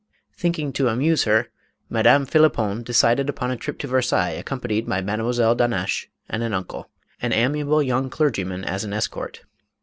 Thinking to amuse her, Madame Phlippon decided upon a trip to Versailles accompanied by Mademoiselle d'Hannaches and an uncle, an amiable young clergy man, as an escort.